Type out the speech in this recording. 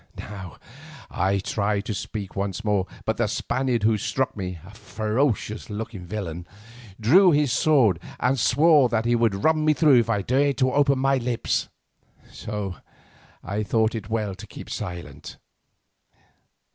Now I tried to speak once more, but the Spaniard who had struck me, a ferocious looking villain, drew his sword and swore that he would run me through if I dared to open my lips. So I thought it well to keep silent.